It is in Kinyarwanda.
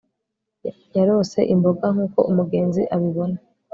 Yarose imboga nkuko umugenzi abibona